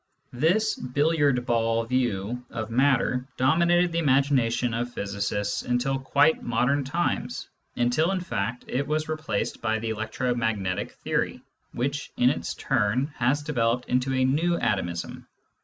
This billiard ball view of matter dominated the imagination of physicists until quite modern times, until, in fact, it was replaced by the electromagnetic theory, which in its turn is developing into a new atomism.